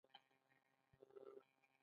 ایا علم د پرمختګ لامل دی؟